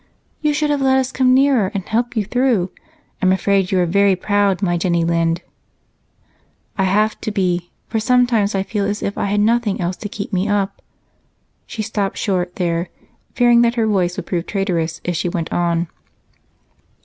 "You should have let us come nearer and help you through. I'm afraid you are very proud, my Jenny Lind." "I have to be, for sometimes I feel as if I had nothing else to keep me up." She stopped short there, fearing that her voice would prove traitorous if she went on.